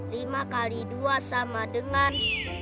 lima x dua sama dengan